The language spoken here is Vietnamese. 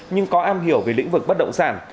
nhưng có am hiểu về lĩnh vực bất động sản